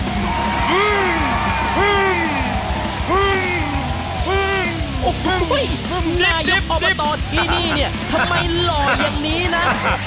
เฮ้ยนายออกออกมาตอนที่นี่เนี่ยทำไมหล่อยอย่างนี้นะ